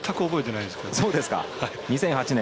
２００８年。